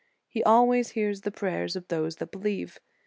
* He always hears the prayers of those that believe.